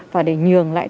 và để nhường lại